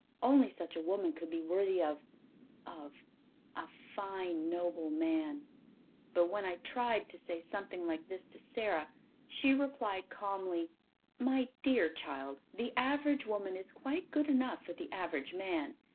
Only such a woman could be worthy of of a fine, noble man. But when I tried to say something like this to Sara she replied calmly: "My dear child, the average woman is quite good enough for the average man.